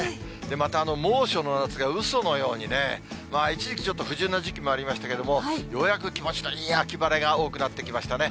また猛暑の夏がうそのようにね、一時期ちょっと不順な時期もありましたけども、ようやく気持ちのいい秋晴れが多くなってきましたね。